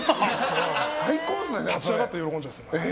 うおー！って立ち上がって喜んじゃいます。